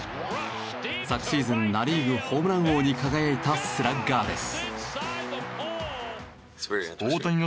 昨シーズンナ・リーグホームラン王に輝いたスラッガーです。